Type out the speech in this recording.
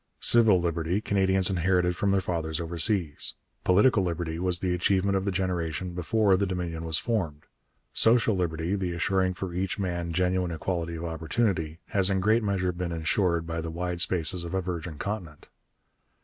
Civil liberty Canadians inherited from their fathers overseas. Political liberty was the achievement of the generation before the Dominion was formed. Social liberty, the assuring for each man genuine equality of opportunity, has in great measure been ensured by the wide spaces of a virgin continent.